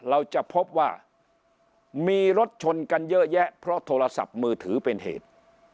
เราจะพบว่ามีรถชนกันเยอะแยะเพราะโทรศัพท์มือถือเป็นเหตุ